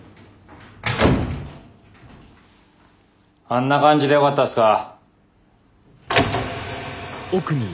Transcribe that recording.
あんな感じでよかったっすか？